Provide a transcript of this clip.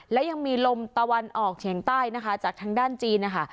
และยังมีลมตะวันออกเฉียงใต้นะคะจากทางด้านจีนนะคะ